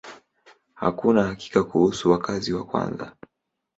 Hakuna hakika kuhusu wakazi wa kwanza.